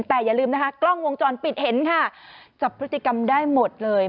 แต่อย่าลืมนะคะกล้องวงจรปิดเห็นค่ะจับพฤติกรรมได้หมดเลย